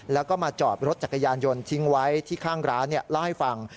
แล้วก็มาจอดรถจักรยานยนต์ทิ้งไว้ที่ข้างร้านเล่าให้ฟัง